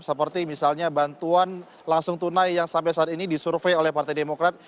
seperti misalnya bantuan langsung tunai yang sampai saat ini disurvey oleh partai demokrat